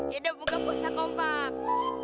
yaudah buka puasa kompak